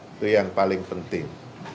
itu yang paling penting